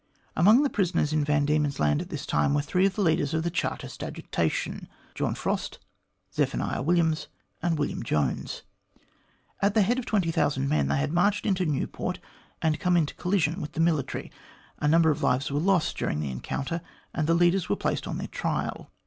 Amongst the prisoners in Van Diemen's Land at this time were three of the leaders of the Chartist .agitation John Frost, Zephaniah Williams, and William Jones. At the head of 20,000 men, they had marched into Newport, and come into collision with the military. A number of lives were lost during the encounter, and the leaders were placed on their trial.